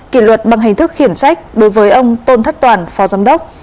kỷ luật bằng hình thức khiển trách đối với ông tôn thất toàn phó giám đốc